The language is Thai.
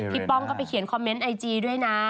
ป้องก็ไปเขียนคอมเมนต์ไอจีด้วยนะ